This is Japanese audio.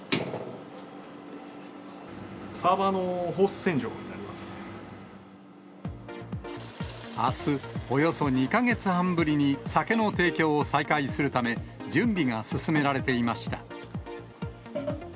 サーバーのホース洗浄になりあす、およそ２か月半ぶりに酒の提供を再開するため、準備が進められていました。